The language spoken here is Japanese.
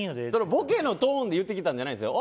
ボケのトーンで言ってきたんじゃないですよ。